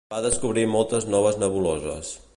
Va descobrir moltes noves nebuloses.